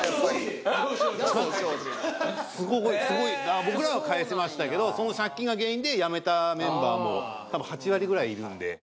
僕らは返せましたけどその借金が原因でやめたメンバーも多分８割ぐらいいるんで。